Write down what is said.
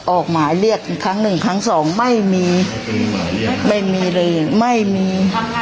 ออกหมายเรียกครั้งหนึ่งครั้งสองไม่มีไม่มีเลยไม่มี